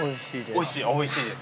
◆おいしいです。